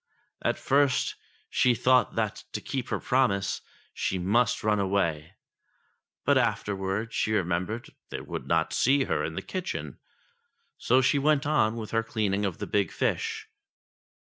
At first, she thought that, to keep her promise, she must run away ; but afterwards she remembered they would not see her in the kitchen, so she went on with her cleaning of the big fish.